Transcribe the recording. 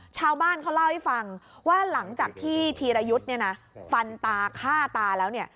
ชาวบ้านเขาเล่าให้ฟังว่าหลังจากที่ธีรยุทธ์เนี่ยนะฟันตาฆ่าตาแล้วเนี่ย